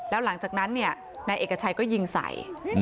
แล้วหลังจากนั้นนายเอกชัยก็ยิงใส่